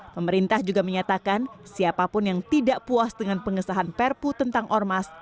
pemerintah juga menyatakan siapapun yang tidak puas dengan pengesahan perpu tentang ormas